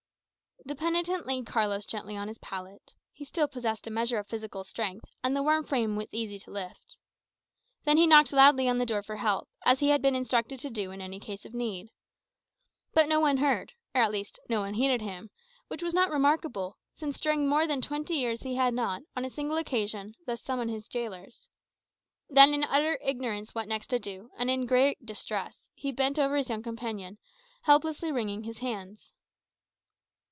The penitent laid Carlos gently on his pallet (he still possessed a measure of physical strength, and the worn frame was easy to lift); then he knocked loudly on the door for help, as he had been instructed to do in any case of need. But no one heard, or at least no one heeded him, which was not remarkable, since during more than twenty years he had not, on a single occasion, thus summoned his gaolers. Then, in utter ignorance what next to do, and in very great distress, he bent over his young companion, helplessly wringing his hands.